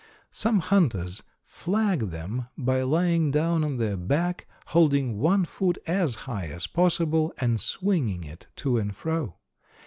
Some hunters "flag" them by lying down on their back, holding one foot as high as possible, and swinging it to and fro.